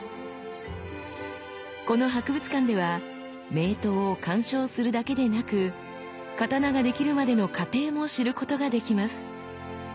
この博物館では名刀を鑑賞するだけでなく刀ができるまでの過程も知ることができます。